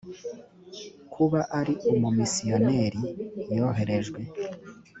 kuba ari umu misiyoneri yoherejwe